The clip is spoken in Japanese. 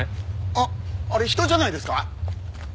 あっあれ人じゃないですか？